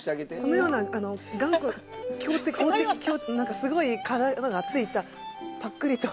このような頑固なんかすごい殻がついたぱっくりと。